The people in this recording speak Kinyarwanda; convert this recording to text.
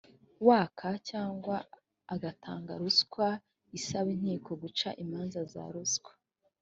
waka cyangwa agatanga ruswa isaba inkiko guca imanza za ruswa